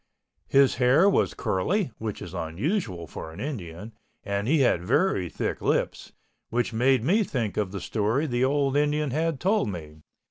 His hair was curly (which is unusual for an Indian) and he had very thick lips, which made me think of the story the old Indian had told me.